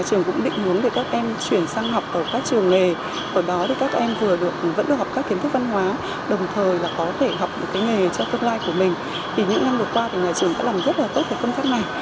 thì những năm vừa qua thì nhà trường đã làm rất là tốt cái công tác này